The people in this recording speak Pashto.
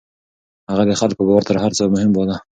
هغه د خلکو باور تر هر څه مهم باله.